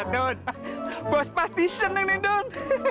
don bos pasti seneng nih don